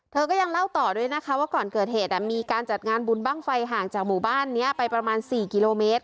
เธอก็ยังเล่าต่อด้วยนะคะว่าก่อนเกิดเหตุมีการจัดงานบุญบ้างไฟห่างจากหมู่บ้านนี้ไปประมาณ๔กิโลเมตร